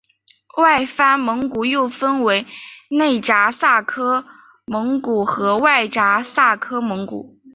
外藩蒙古又分为内札萨克蒙古和外札萨克蒙古。